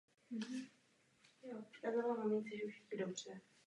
Zajímala se o veřejné dění a angažovala se v různých projektech.